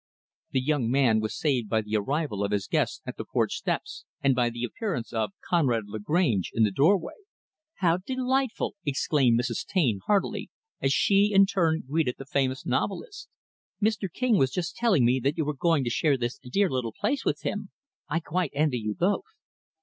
The young man was saved by the arrival of his guests at the porch steps, and by the appearance of Conrad Lagrange, in the doorway. "How delightful!" exclaimed Mrs. Taine, heartily; as she, in turn, greeted the famous novelist. "Mr. King was just telling me that you were going to share this dear little place with him. I quite envy you both."